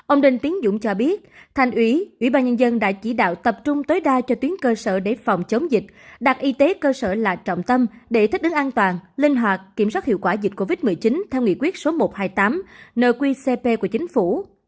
ông đinh tiến dũng cho biết thành ủy ủy ban nhân dân đã chỉ đạo tập trung tối đa cho tuyến cơ sở để phòng chống dịch đặt y tế cơ sở là trọng tâm để thích ứng an toàn linh hoạt kiểm soát hiệu quả dịch covid một mươi chín theo nghị quyết số một trăm hai mươi tám nqcp của chính phủ